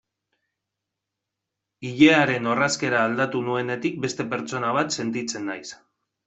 Ilearen orrazkera aldatu nuenetik beste pertsona bat sentitzen naiz.